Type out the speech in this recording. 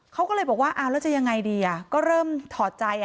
เขาก็เลยบอกว่าเอาแล้วจะยังไงดีก็เริ่มถอดใจ